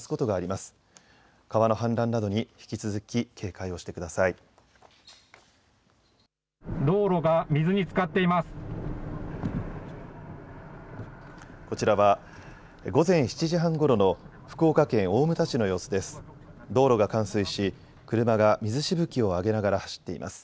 こちらは午前７時半ごろの福岡県大牟田市の様子です。